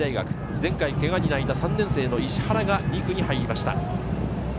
前回けがに泣いた３年生の石原が２区に入りました。